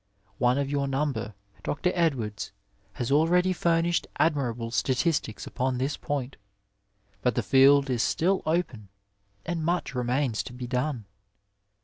One of your number, Dr. Edwards, has already furnished admirable statistics upon this point, but the field is still open, and much remains to be done.